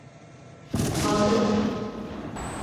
Batı…